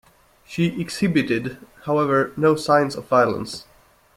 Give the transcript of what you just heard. She exhibited, however, no signs of violence.